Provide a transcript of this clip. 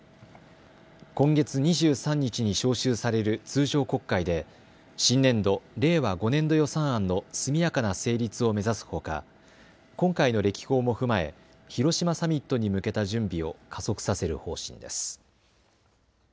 今月２３日に召集される通常国会で新年度・令和５年度予算案の速やかな成立を目指すほか今回の歴訪も踏まえ広島サミットに向けた準備を加速させる方針です。